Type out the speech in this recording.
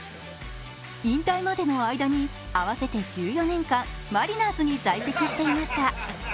引退までの間に合わせて１４年間、マリナーズに在籍していました。